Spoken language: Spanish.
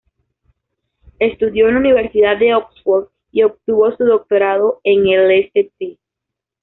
Estudió en la Universidad de Oxford y obtuvo su doctorado en el St.